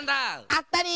あったり！